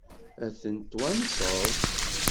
Ad ten-twanseḍ?